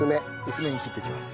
薄めに切っていきます。